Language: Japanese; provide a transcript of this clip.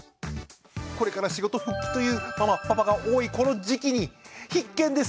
これから仕事復帰というママ・パパが多いこの時期に必見です！